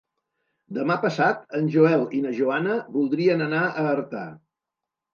Demà passat en Joel i na Joana voldrien anar a Artà.